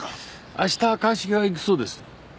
あした鑑識が行くそうです。